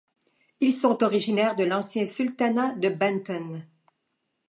Ils sont originaires de l'ancien sultanat de Banten.